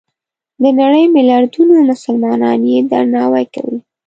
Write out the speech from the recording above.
د نړۍ ملیاردونو مسلمانان یې درناوی کوي.